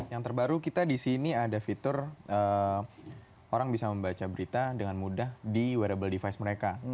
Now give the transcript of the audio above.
yang terbaru kita di sini ada fitur orang bisa membaca berita dengan mudah di wearable device mereka